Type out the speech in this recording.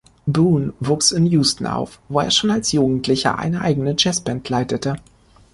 Boone wuchs in Houston auf, wo er schon als Jugendlicher eine eigene Jazzband leitete.